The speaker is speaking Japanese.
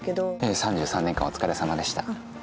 ３３年間お疲れさまでした。